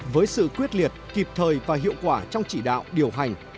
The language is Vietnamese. với sự quyết liệt kịp thời và hiệu quả trong chỉ đạo điều hành